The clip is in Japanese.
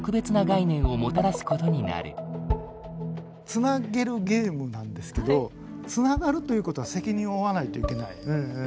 繋げるゲームなんですけど繋がるということは責任を負わないといけない。